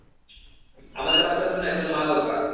আমাদের বাচ্চার জন্য একজন মা দরকার।